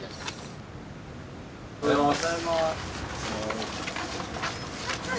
おはようございます。